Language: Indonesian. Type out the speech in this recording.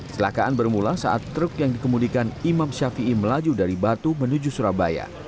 selakaan bermula saat truk yang dikemudikan imam syafi'i melaju dari batu menuju surabaya